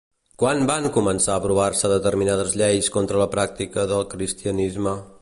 Quan van començar a aprovar-se determinades lleis contra la pràctica del cristianisme?